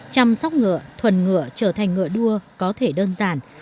chăm sóc ngựa thuần ngựa trở thành ngựa đua có thể đơn giản